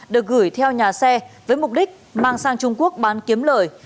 được gửi theo nhà xe với mục đích mang sang trung quốc bán kiếm lời